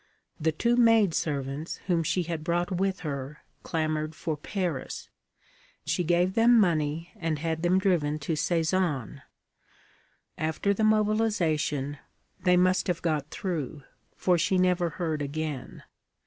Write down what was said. The two maid servants whom she had brought with her clamored for Paris; she gave them money and had them driven to Sézanne. After the mobilization they must have got through, for she never heard again.